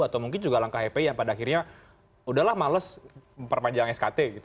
atau mungkin juga langkah hp yang pada akhirnya udahlah males memperpanjang skt gitu